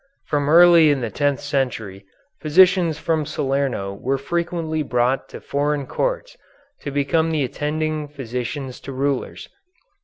From early in the tenth century physicians from Salerno were frequently brought to foreign courts to become the attending physicians to rulers.